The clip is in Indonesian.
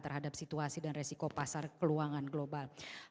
terhadap situasi dan resiko pasar keuangan global